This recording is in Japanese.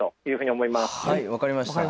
はい分かりました。